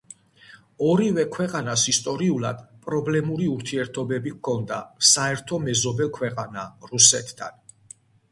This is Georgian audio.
ორივე ქვეყანას ისტორიულად პრობლემური ურთიერთობები ჰქონდა საერთო მეზობელ ქვეყანა, რუსეთთან.